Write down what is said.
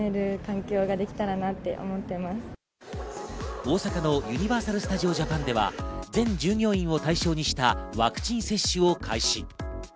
大阪のユニバーサル・スタジオ・ジャパンでは全従業員を対象にしたワクチン接種を開始。